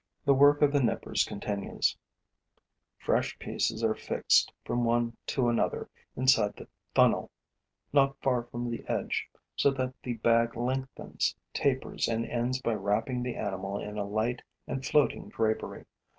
The work of the nippers continues; fresh pieces are fixed, from one to another, inside the funnel, not far from the edge, so that the bag lengthens, tapers and ends by wrapping the animal in a light and floating drapery.